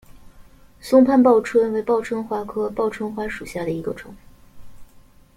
松潘报春为报春花科报春花属下的一个种。